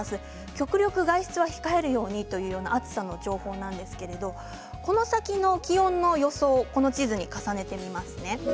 極力、外出を控えるようにという暑さの情報なんですけれどもこの先の気温の予想を地図に重ねてみますね。